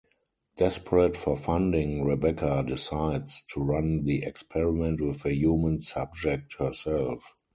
Desperate for funding, Rebecca decides to run the experiment with a human subject-herself.